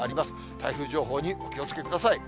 台風情報にお気をつけください。